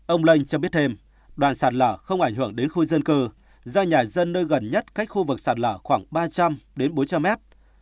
ông lanh cho biết thêm đoạn sạt lở không ảnh hưởng đến khu dân cư do nhà dân nơi gần nhất cách khu vực sạt lở khoảng ba trăm linh đến bốn trăm linh mét